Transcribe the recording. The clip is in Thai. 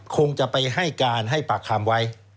คงจะไปให้การให้ปากคำไว้